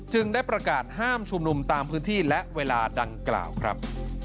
ได้ประกาศห้ามชุมนุมตามพื้นที่และเวลาดังกล่าวครับ